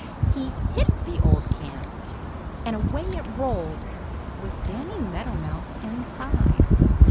He hit the old can, and away it rolled with Danny Meadow Mouse inside.